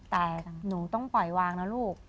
แต่หนูต้องปล่อยวางนะลูก